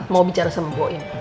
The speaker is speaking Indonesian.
mau bicara sama bu im